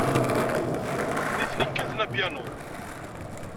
Nitni kkaten apyanu.